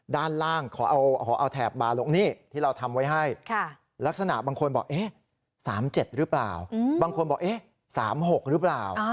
ด้านล่างขอเอาแถบบาร์ลงนี่ที่เราทำไว้ให้ลักษณะบางคนบอก๓๗หรือเปล่าบางคนบอก๓๖หรือเปล่า